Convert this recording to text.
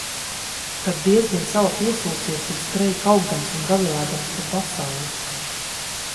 Kad diezgan sala piesūcies, tad skrej kaukdams un gavilēdams pa pasauli.